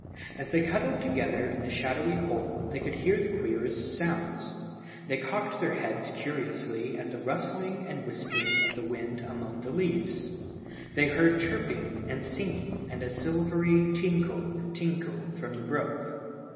As they cuddled together in the shadowy hole they could hear the queerest sounds. They cocked their heads curiously at the rustling and whispering of the wind among the leaves. They heard chirping and singing and a silvery tinkle, tinkle from the brook.